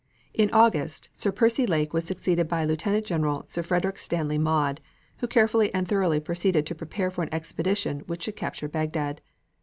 In August Sir Percy Lake was succeeded by Lieutenant General Sir Frederick Stanley Maude, who carefully and thoroughly proceeded to prepare for an expedition which should capture Bagdad.